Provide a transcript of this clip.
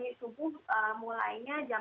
ya kita tadi subuh mulainya jam empat